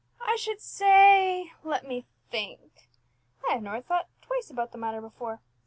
I should say let me think I have never thought about the matter before.